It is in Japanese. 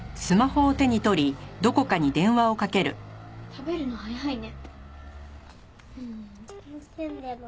食べるの早いね。